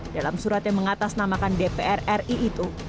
dalam surat yang mengatasnamakan dpr ri itu